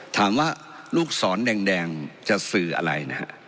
ถามว่าลูกศรแดงจะสื่ออะไรนะฮะ